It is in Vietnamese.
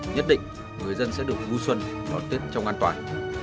nhất định người dân sẽ được vui xuân và tuyết trong an toàn